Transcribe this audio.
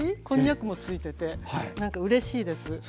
こんにゃくも付いててうれしいです。